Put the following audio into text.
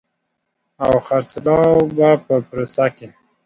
او خرڅلاو په پروسه کې